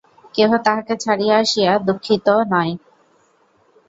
কেহ তাহাকে ছাড়িয়া আসিয়া দুঃখিত নয়।